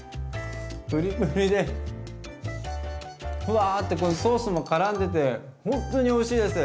プリプリでふわってこのソースもからんでてほんとにおいしいです。